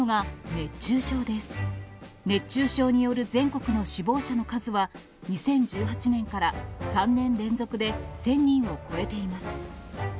熱中症による全国の死亡者の数は、２０１８年から３年連続で１０００人を超えています。